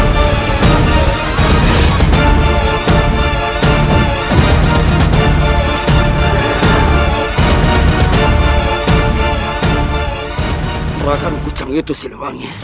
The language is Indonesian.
kau tidak bisa menghitungi